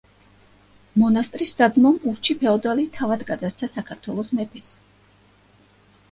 მონასტრის საძმომ ურჩი ფეოდალი თავად გადასცა საქართველოს მეფეს.